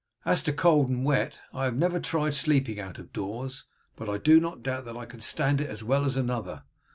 As to cold and wet, I have never tried sleeping out of doors, but I doubt not that I can stand it as well as another.